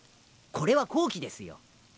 これは好機ですよ。